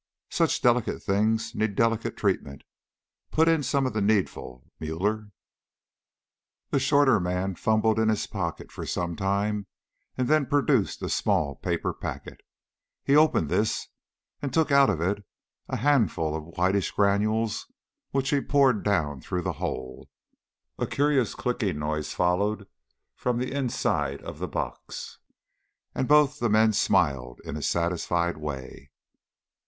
"Such delicate things need delicate treatment. Put in some of the needful, Müller." The shorter man fumbled in his pocket for some time, and then produced a small paper packet. He opened this, and took out of it half a handful of whitish granules, which he poured down through the hole. A curious clicking noise followed from the inside of the box, and both the men smiled in a satisfied way.